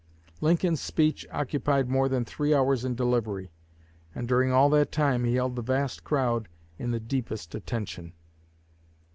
Lincoln's speech occupied more than three hours in delivery, and during all that time he held the vast crowd in the deepest attention."